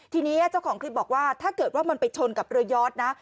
ทีนี้เจ้าของคลิปบอกว่าถ้าเกิดว่ามันไปชนกับเรือยอดนะ